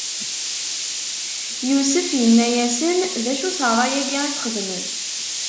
Yusef inna-asen: D acu-t ṛṛay-agi i txedmem?